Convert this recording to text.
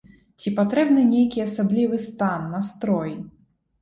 Ці патрэбны нейкі асаблівы стан, настрой?